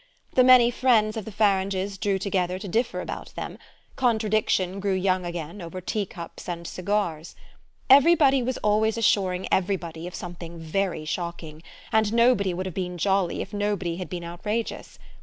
The many friends of the Faranges drew together to differ about them; contradiction grew young again over teacups and cigars. Everybody was always assuring everybody of something very shocking, and nobody would have been jolly if nobody had been outrageous.